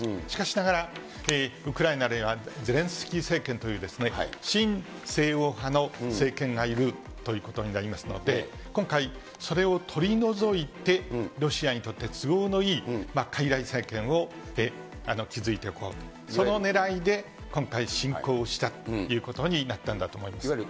しかしながら、ウクライナではゼレンスキー政権という親西欧派の政権がいるということになりますので、今回、それを取り除いてロシアにとって都合のいいかいらい政権を築いておこうと、今回、侵攻したということになったんだと思います。